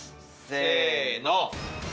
せの。